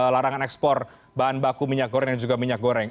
larangan ekspor bahan baku minyak goreng dan juga minyak goreng